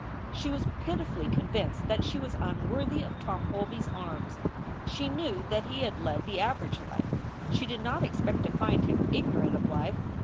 She was pitifully convinced that she was unworthy of Tom Holby s arms. She knew that he had led the average life. She did not expect to find him ignorant of life.